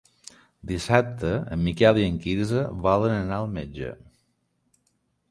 Dissabte en Miquel i en Quirze volen anar al metge.